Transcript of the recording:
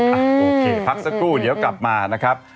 อ่ะโอเคพักสักครู่เดี๋ยวกลับมานะครับ